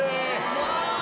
うわ！